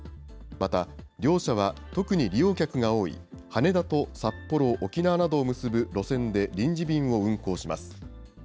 また、両社は特に利用客が多い羽田と札幌、沖縄などを結ぶ路線で臨時便を運航します。